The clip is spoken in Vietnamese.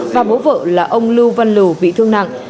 và bố vợ là ông lưu văn lù bị thương nặng